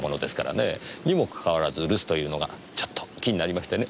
にもかかわらず留守というのがちょっと気になりましてね。